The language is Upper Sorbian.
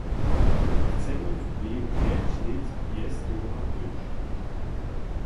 Chcemy w běhu pjeć lět bjez dołha być.